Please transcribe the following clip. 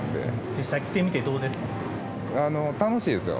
実際来てみてどうですか？